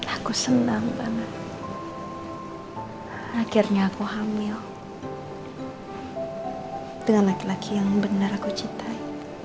aku senang banget akhirnya aku hamil dengan laki laki yang benar aku cintai